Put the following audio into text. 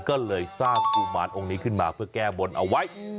ก็เลยสร้างกุมารองค์นี้ขึ้นมาเพื่อแก้บนเอาไว้